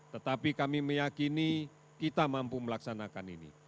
tetapi kami meyakini kita mampu melaksanakan ini